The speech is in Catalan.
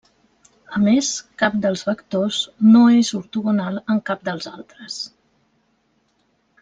A més, cap dels vectors no és ortogonal amb cap dels altres.